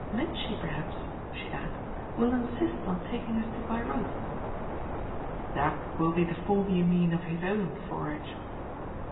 Mitchy perhaps," she added, "will insist on taking us to Baireuth." "That will be the form, you mean, of his own forage?"